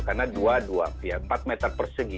karena dua dua ya empat meter persegi